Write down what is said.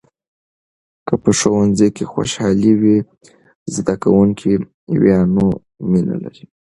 که په ښوونځي کې خوشحالي وي، زده کوونکي د ویناوو مینه لري.